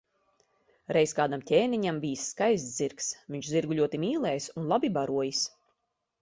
Reiz kādam ķēniņam bijis skaists zirgs, viņš zirgu ļoti mīlējis un labi barojis.